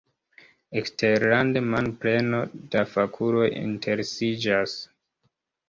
Eksterlande manpleno da fakuloj interesiĝas.